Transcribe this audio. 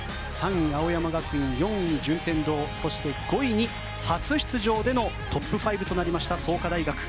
３位、青山学院４位、順天堂そして、５位に初出場でのトップ５となりました創価大学。